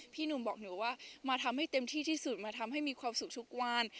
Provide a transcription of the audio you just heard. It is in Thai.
พี่หนุ่มบอกหนูว่ามาทำให้เต็มที่ที่สุดมาทำให้มีความสุขทุกวัน